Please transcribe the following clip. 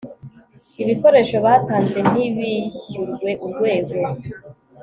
ibikoresho batanze ntibishyurwe urwego